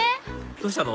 どうしたの？